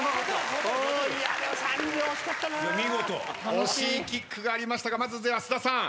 惜しいキックがありましたがまず菅田さん。